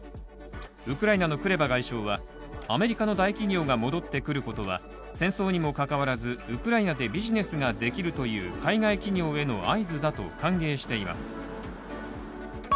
ウクライナのクレバ外相はアメリカの大企業が戻ってくることは戦争にもかかわらずウクライナでビジネスができるという海外企業への合図だと歓迎しています。